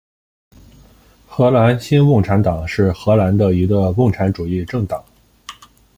荷兰新共产党是荷兰的一个共产主义政党。